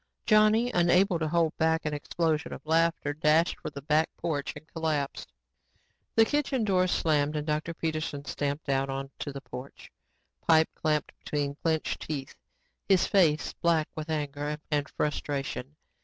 Johnny, unable to hold back an explosion of laughter, dashed for the back porch and collapsed. The kitchen door slammed and Dr. Peterson stamped out on to the porch, pipe clamped between clenched teeth, his face black with anger and frustration.